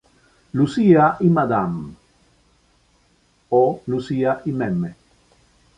Lucila y Mme.